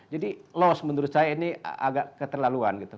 jadi loss menurut saya ini agak keterlaluan gitu